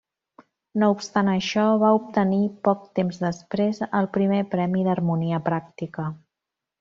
No obstant això, va obtenir poc temps després el primer premi d'harmonia pràctica.